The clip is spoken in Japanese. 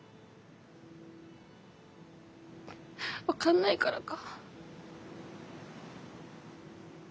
分かんないからか。